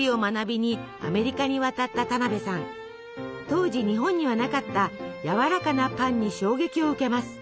当時日本にはなかったやわらかなパンに衝撃を受けます。